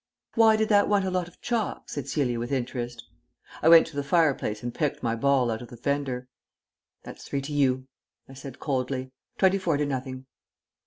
"Why did that want a lot of chalk?" said Celia with interest. I went to the fire place and picked my ball out of the fender. "That's three to you," I said coldly. "Twenty four to nothing."